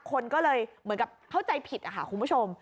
คนก็เลยเหมือนกับเข้าใจผิดค่ะคุณผู้ชม